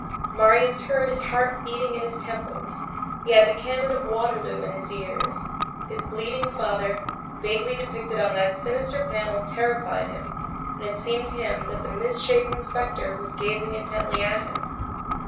Marius heard his heart beating in his temples, he had the cannon of Waterloo in his ears, his bleeding father, vaguely depicted on that sinister panel terrified him, and it seemed to him that the misshapen spectre was gazing intently at him.